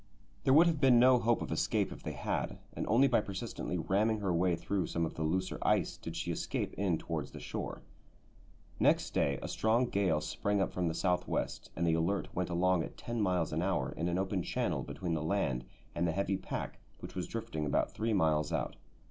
There would have been no hope of escape if they had, and only by persistently ramming her way through some of the looser ice did she escape in towards the shore. Next day a strong gale sprang up from the south west, and the Alert went along at ten miles an hour in an open channel between the land and the heavy pack which was drifting about three miles out.